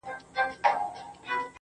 دا تار به په ګډه ټولوو